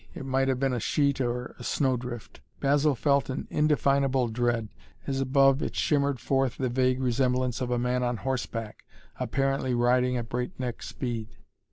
It might have been a sheet or a snow drift. Basil felt an indefinable dread, as above it shimmered forth the vague resemblance of a man on horseback, apparently riding at breakneck speed.